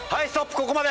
ここまで！